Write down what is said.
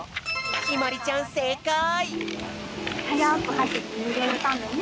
ひまりちゃんせいかい！